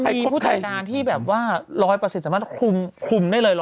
มีผู้จัดการที่แบบว่า๑๐๐สามารถคุมคุมได้เลย๑๐๐